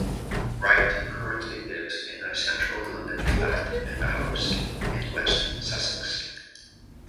Wright currently lives in a central London flat and a house in West Sussex.